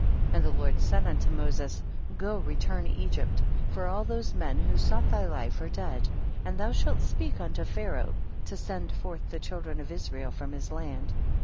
5. And the Lord said unto Moses, go return to Egypt, for all those men who sought thy life are dead, and thou shalt speak unto Pharaoh to send forth the children of Israel from his land.